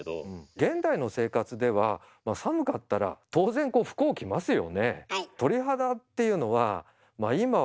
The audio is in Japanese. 現代の生活では寒かったら当然こう服を着ますよね？